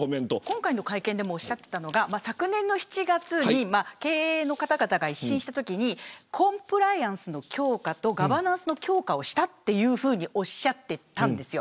今回の会見で言っていたのが昨年の７月に経営の方々が一新したときコンプライアンスの強化とガバナンスの強化をしたというふうに言っていたんです。